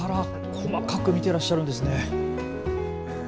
細かく見てらっしゃるんですね。